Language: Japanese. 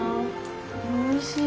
おいしい。